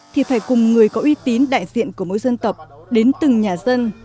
thì phải cùng người có uy tín đại diện của mỗi dân tộc đến từng nhà dân